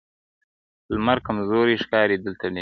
• لمر کمزوری ښکاري دلته ډېر,